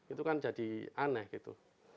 itu kan jadi aneh gitu